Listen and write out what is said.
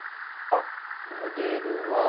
あモデルは。